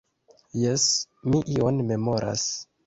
Jes, mi ion memoras.